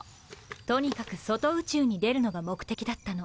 とにかく外宇宙に出るのが目的だったの。